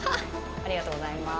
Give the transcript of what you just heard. ありがとうございます。